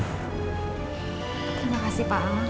terima kasih pak al